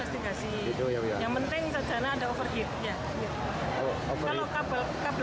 asap yang terjadi itu karena apa